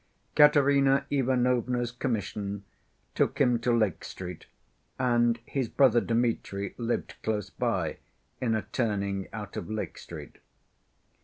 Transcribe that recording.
Katerina Ivanovna's commission took him to Lake Street, and his brother Dmitri lived close by, in a turning out of Lake Street.